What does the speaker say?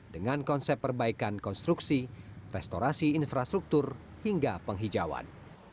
dengan konsep perbaikan konstruksi restorasi infrastruktur hingga penghijauan